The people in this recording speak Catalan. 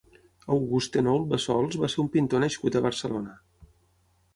Auguste Henault Bassols va ser un pintor nascut a Barcelona.